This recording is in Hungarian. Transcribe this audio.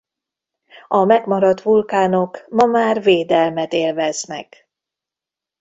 A megmaradt vulkánok ma már védelmet élveznek.